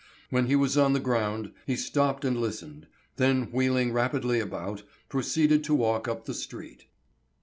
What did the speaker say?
When he was on the ground, he stopped and listened, then wheeling rapidly about, proceeded to walk up the street.